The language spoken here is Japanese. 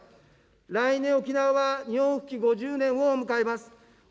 来年、沖縄は日本復帰５０年を迎えます。